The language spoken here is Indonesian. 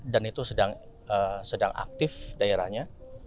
dan itu sedang aktif daerahnya